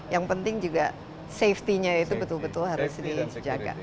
yang penting juga safetynya itu betul betul harus dijaga